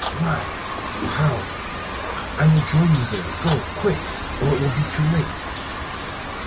"Why? How?" "I will join you there, go! Quick, or it will be too late!"